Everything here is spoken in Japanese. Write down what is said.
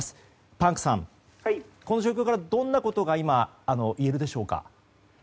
パンクさん、この状況から今どんなことがいえるでしょうか。